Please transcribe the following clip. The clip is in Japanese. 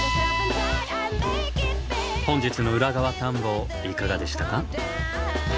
本日の裏側探訪いかがでしたか？